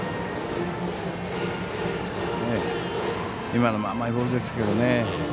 今のも甘いボールですけどね